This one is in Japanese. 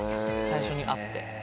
最初に会って。